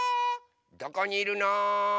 どこにいるの？